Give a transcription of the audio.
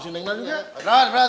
si nengnya juga